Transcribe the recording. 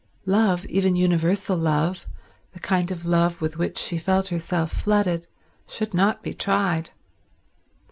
Love, even universal love, the kind of love with which she felt herself flooded, should not be tried.